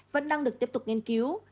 vẫn đang được tiếp tục nghiên cứu